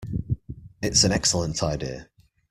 It's an excellent idea.